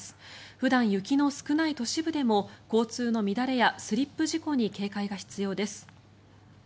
普段雪の少ない都市部でも交通の乱れやスリップ事故に警戒が必要です。